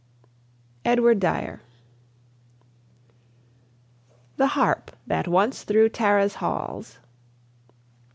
EDWARD DYER. THE HARP THAT ONCE THROUGH TARA'S HALLS.